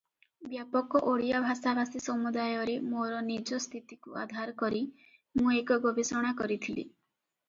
ବ୍ୟାପକ ଓଡ଼ିଆ ଭାଷାଭାଷୀ ସମୁଦାୟରେ ମୋର ନିଜ ସ୍ଥିତିକୁ ଆଧାର କରି ମୁଁ ଏକ ଗବେଷଣା କରିଥିଲି ।